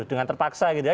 dengan terpaksa gitu ya